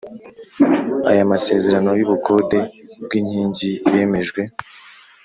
Aya masezerano y ubukode bw igikingi yemejwe